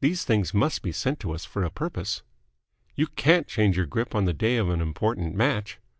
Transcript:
These things must be sent to us for a purpose." "You can't change your grip on the day of an important match."